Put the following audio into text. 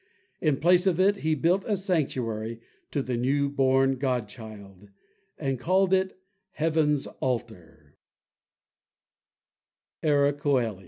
In place of it he built a sanctuary to the new born God Child, and called it Heaven's Altar—Ara Cœli.